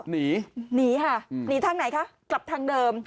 หนีหนีค่ะหนีทางไหนคะกลับทางเดิม